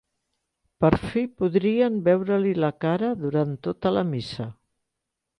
Per fi podrien veure-li la cara durant tota la missa.